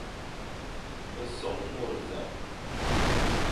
Son môr nẑañ.